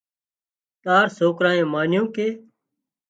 تار سوڪرانئي مانيُون ڪي